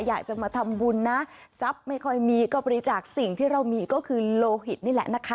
อยากจะมาทำบุญนะทรัพย์ไม่ค่อยมีก็บริจาคสิ่งที่เรามีก็คือโลหิตนี่แหละนะคะ